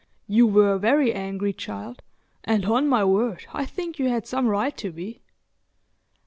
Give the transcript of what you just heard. "You were very angry, child; and on my word I think you had some right to be."